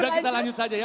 udah kita lanjut saja ya